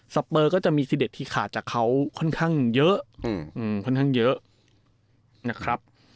สเปอร์ก็จะมีสีเด็ดที่ขาดจากเขาค่อนข้างเยอะ